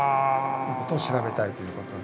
いうことを調べたいということで。